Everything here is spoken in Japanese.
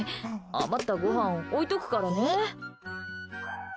余ったごはん置いとくからね。